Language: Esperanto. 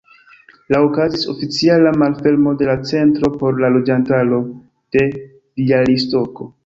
La okazis oficiala malfermo de la Centro por la loĝantaro de Bjalistoko.